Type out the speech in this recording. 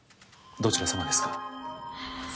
どちら様ですか？